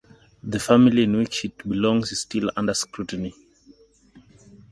The family in which it belongs is still under scrutiny.